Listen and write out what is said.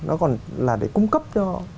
nó còn là để cung cấp cho